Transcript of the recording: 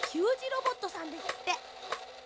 ロボットさんですって。